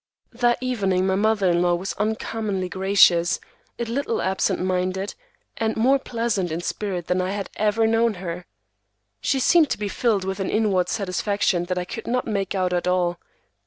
That evening my mother in law was uncommonly gracious, a little absent minded, and more pleasant in spirit than I had ever known her. She seemed to be filled with an inward satisfaction that I could not make out at all.